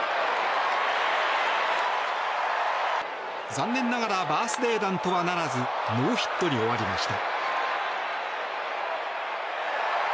残念ながらバースデー弾とはならずノーヒットに終わりました。